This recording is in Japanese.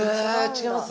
違います？